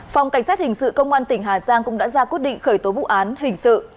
phòng cảnh sát hình sự công an tỉnh hà giang cũng đã ra quyết định khởi tố vụ án hình sự